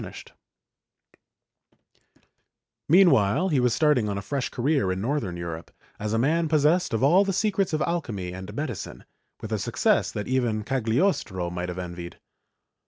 V] ITALIAN MYSTICS 45 Meanwhile he was starting on a fresh career in Northern Europe, as a man possessed of all the secrets of alchemy and medicine, with a success that even Cagliostro might have envied.